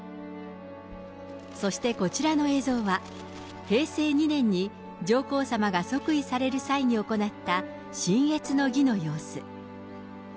そしてこちらの映像は、平成２年に上皇さまが即位される際に行った親謁の儀の様子。